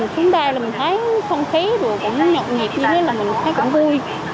chúng ta thấy không khí cũng nhộn nhịp như thế là mình thấy cũng vui